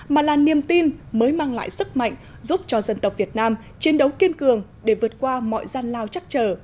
mà là niềm tin mới mang lại sức mạnh giúp cho dân tộc việt nam chiến đấu kiên cường để vượt qua mọi gian lao chắc trở